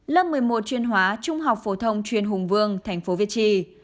lớp một mươi một chuyên hóa trung học phổ thông chuyên hùng vương tp việt trì